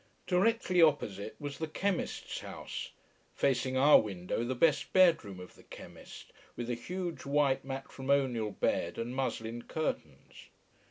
Directly opposite was the chemist's house: facing our window the best bedroom of the chemist, with a huge white matrimonial bed and muslin curtains.